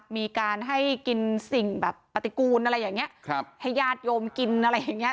มีการให้กินสิ่งแบบปฏิกูลอะไรอย่างนี้ให้ญาติโยมกินอะไรอย่างเงี้